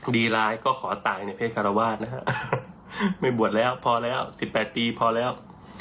ดีร้ายก็ขอตายในเพศคารวาสนะฮะไม่บวชแล้วพอแล้ว๑๘ปีพอแล้ว